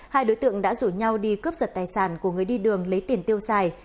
hai đối tượng đã rủ nhau đi cướp giật tài sản của người đi đường lấy tiền tiêu xài